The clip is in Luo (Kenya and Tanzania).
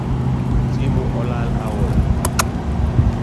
Simu olal aora